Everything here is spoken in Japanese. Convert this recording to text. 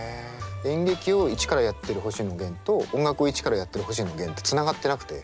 演劇を一からやっている星野源と音楽を一からやっている星野源ってつながってなくて。